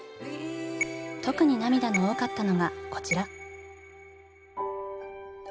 特に涙の多かったのがこちら。